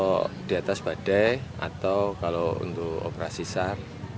kalau di atas badai atau kalau untuk operasi sar